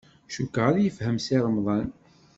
Cukkeɣ ad yefhem Si Remḍan.